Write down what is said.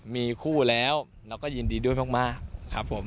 มีคู่แล้วเราก็ยินดีด้วยมากครับผม